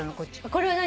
これは何？